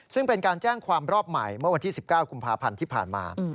ซึ่งเป็นการแจ้งความรอบใหม่เมื่อวันที่๑๙กุมภาพันธ์ที่ผ่านมา